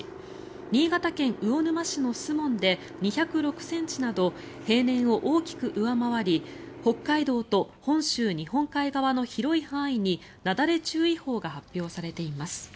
新潟県魚沼市の守門で２０６ｃｍなど平年を大きく上回り北海道と本州日本海側の広い範囲になだれ注意報が発表されています。